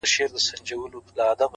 خیر دی قبر ته دي هم په یوه حال نه راځي-